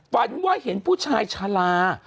ฝันว่าเห็นผู้ชายชาลา